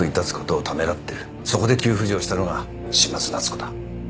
そこで急浮上したのが嶋津奈都子だ。